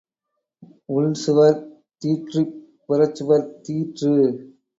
உள் சுவர் தீற்றிப் புறச்சுவர் தீற்று.